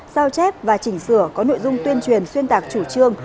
xếp và chỉnh sửa có nội dung tuyên truyền xuyên tạc chủ trương